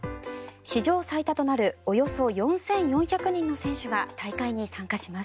史上最多となるおよそ４４００人の選手が大会に参加します。